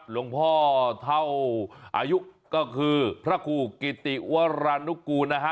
หลวงพ่อเท่าอายุก็คือพระครูกิติวรานุกูลนะฮะ